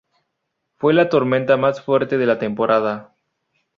Fue la tormenta más fuerte de la temporada.